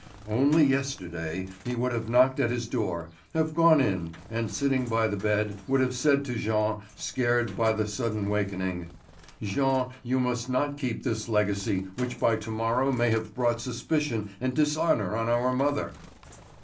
Only yesterday he would have knocked at his door, have gone in, and sitting by the bed, would have said to Jean, scared by the sudden waking: "Jean you must not keep this legacy which by to morrow may have brought suspicion and dishonour on our mother."